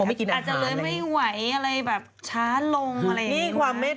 เป็นไปได้อาจจะมี